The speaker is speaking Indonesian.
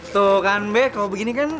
tuh kan bek kalau begini kan